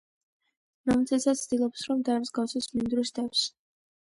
ნამცეცა ცდილობს, რომ დაემსგავსოს მინდვრის დევს.